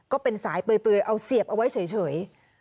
ก็เป็นสายเปลือยเอาเสียบเอาไว้เฉย